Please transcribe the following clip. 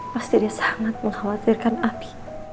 pasti dia sangat mengkhawatirkan api